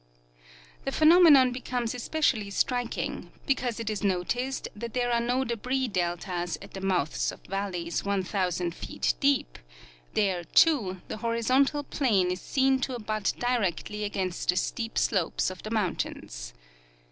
The phenomenon becomes especially striking, because it is noticed that there are no debris deltas at the mouths of valleys 1,000 feet deep ; there, too, the horizontal plain is seen to abut directly against the steep slopes of the mountains.